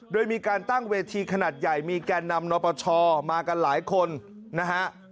โดยมีการตั้งเวทีขนาดใหญ่มีแก่นำนปชมากันหลายคนนะฮะ